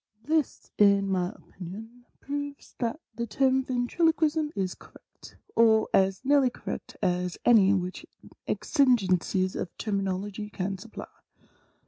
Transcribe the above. This, in my opinion, proves that the term Ventriloquism is cor rect, or as nearly correct as any which the exigencies of termin ology can supply.